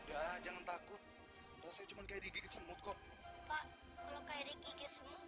udah jangan takut rasanya cuma kayak digigit semut kok